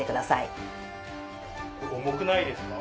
重くないですか？